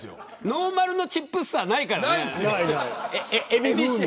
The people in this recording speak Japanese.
ノーマルのチップスターはないからね。